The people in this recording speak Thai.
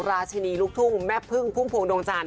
ราชินีลูกทุ่งแม่พึ่งพุ่มพวงดวงจันท